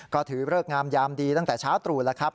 ก็ถือเลิกงามยามดีตั้งแต่เช้าตรู่แล้วครับ